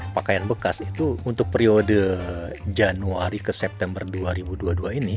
pakaian bekas itu untuk periode januari ke september dua ribu dua puluh dua ini